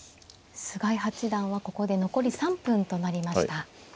菅井八段はここで残り３分となりました。